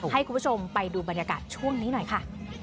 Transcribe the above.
ให้คุณผู้ชมไปดูบรรยากาศช่วงนี้หน่อยค่ะ